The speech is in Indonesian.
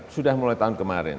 sudah mulai tahun kemarin